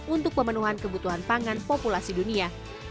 untuk pemenuhan kebutuhan pangan populasi dunia